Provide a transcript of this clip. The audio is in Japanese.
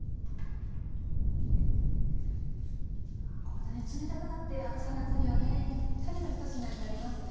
こうまたね冷たくなって暑い夏にはねぴったりの１品になりますね。